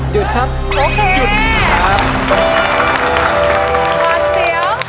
หยุดครับโอเค